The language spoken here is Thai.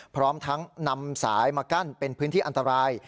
พร้อมทั้งนำสายมากั้นเป็นพื้นที่อันตราย